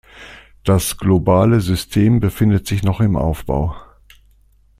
Das globale System befindet sich noch im Aufbau.